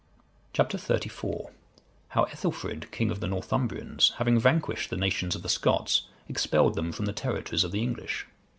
Chap. XXXIV. How Ethelfrid, king of the Northumbrians, having vanquished the nations of the Scots, expelled them from the territories of the English.